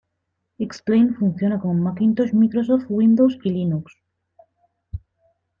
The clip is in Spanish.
X-Plane funciona con Macintosh, Microsoft Windows, y Linux.